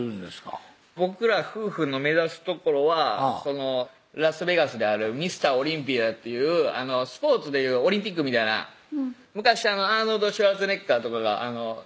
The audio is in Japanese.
僕ら夫婦の目指すところはラスベガスであるミスター・オリンピアっていうスポーツでいうオリンピックみたいな昔アーノルド・シュワルツェネッガーとかが出てはったんですけど